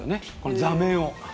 座面を。